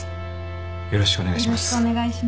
よろしくお願いします。